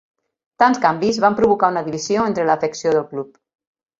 Tants canvis van provocar una divisió entre l'afecció del club.